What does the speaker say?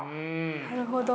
なるほど。